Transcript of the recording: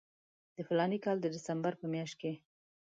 د فلاني کال د ډسمبر په میاشت کې.